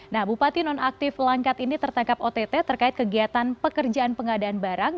nah bupati nonaktif langkat ini tertangkap ott terkait kegiatan pekerjaan pengadaan barang